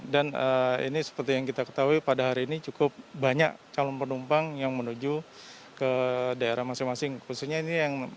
dan ini seperti yang kita ketahui pada hari ini cukup banyak calon penumpang yang menuju ke daerah masing masing